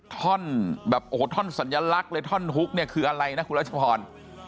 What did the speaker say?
ท่อนแบบโอ้โหท่อนสัญลักษณ์เลยท่อนฮุกเนี่ยคืออะไรนะคุณรัชพร